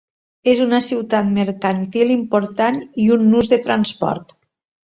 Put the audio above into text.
És una ciutat mercantil important i un nus de transport.